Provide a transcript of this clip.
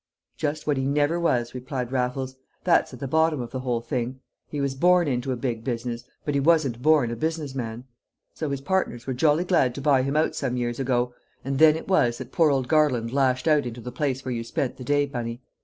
"Just what he never was," replied Raffles; "that's at the bottom of the whole thing. He was born into a big business, but he wasn't born a business man. So his partners were jolly glad to buy him out some years ago; and then it was that poor old Garland lashed out into the place where you spent the day, Bunny.